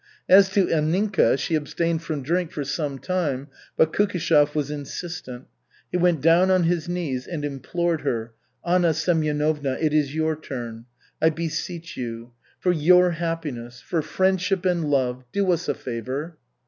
As to Anninka, she abstained from drink for some time, but Kukishev was insistent. He went down on his knees and implored her: "Anna Semyonovna, it is your turn. I beseech you. For your happiness, for friendship and love. Do us a favor."